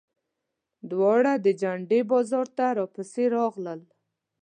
دواړه د جنډې بازار ته راپسې راغلل.